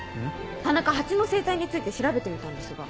田中蜂の生態について調べてみたんですが。